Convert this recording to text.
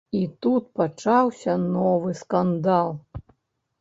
І тут пачаўся новы скандал.